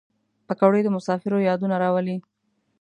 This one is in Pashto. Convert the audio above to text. پکورې د مسافرو یادونه راولي